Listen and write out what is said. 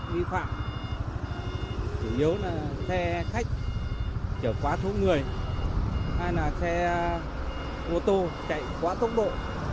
vi phạm chủ yếu là xe khách trở quá số người hay là xe mô tô chạy quá tốc độ